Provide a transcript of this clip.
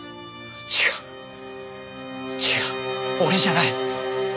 違う違う俺じゃない。